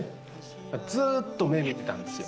ずーっと目、見てたんですよ。